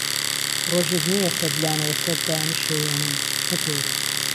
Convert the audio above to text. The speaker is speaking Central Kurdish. رۆژێک نییه سهد لانه له سهرتا نشێوێنن، نهتۆری